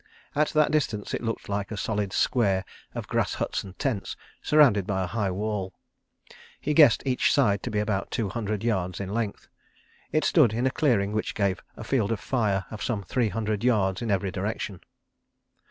At that distance, it looked like a solid square of grass huts and tents, surrounded by a high wall. He guessed each side to be about two hundred yards in length. It stood in a clearing which gave a field of fire of some three hundred yards in every direction.